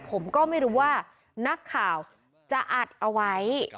ผมก็ไม่รู้ว่านักข่าวจะอัดเอาไว้